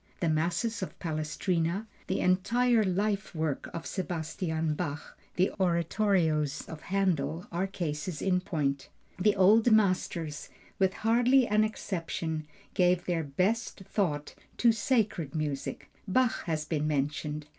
The Masses of Palestrina, the entire life work of Sebastian Bach, the oratorios of Händel, are cases in point. The old masters with hardly an exception gave their best thought to sacred music. Bach has been mentioned.